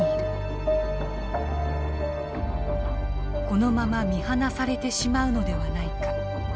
このまま見放されてしまうのではないか。